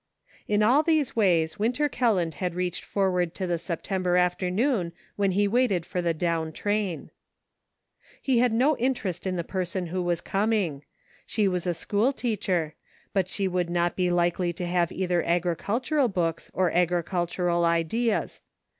In all these ways Winter Kelland had reached forward to the September afternoon when he waited for the down train. He had no interest in the person who was com ing. She was a school teacher ; but she would not be likely to have either agricultural books or agri cultural ideas.